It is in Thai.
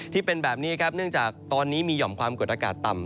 ที่เป็นแบบนี้ครับเนื่องจากตอนนี้มีหย่อมความกดอากาศต่ำ